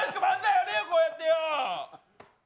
やれよ、こうやってよ！